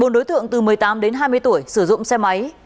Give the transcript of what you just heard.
bốn đối tượng từ một mươi tám đến hai mươi tuổi sử dụng xe máy